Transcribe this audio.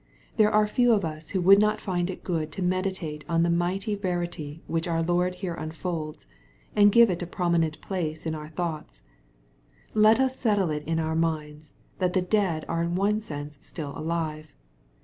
There are few of us who would not find it good to meditate on the mighty verity whicli our Lord here unfolds, and to give it a prominent place in our thoughts. \^ Let us settle it in our minds, that the dead are in one sense still alive.